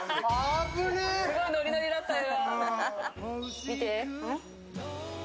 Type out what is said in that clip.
すごいノリノリだったよ。